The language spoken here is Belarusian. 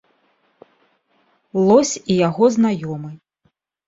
Лось і яго знаёмы.